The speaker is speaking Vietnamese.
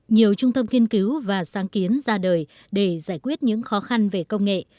nhiều trung tâm nghiên cứu và sáng kiến ra đời để giải quyết những khó khăn về công nghệ